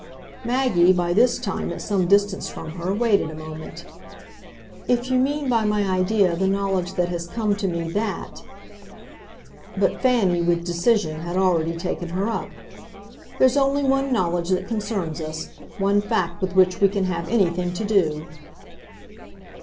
Maggie, by this time at some distance from her, waited a moment. "If you mean by my idea the knowledge that has come to me THAT " But Fanny, with decision, had already taken her up. "There's only one knowledge that concerns us one fact with which we can have anything to do."